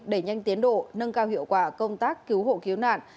đẩy nhanh tiến độ nâng cao hiệu quả công tác cứu hộ cứu nạn